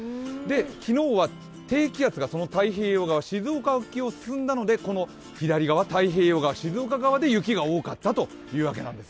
昨日は低気圧がその太平洋側、静岡沖を進んだのでこの左側、太平洋側、静岡側で雪が多かったんです。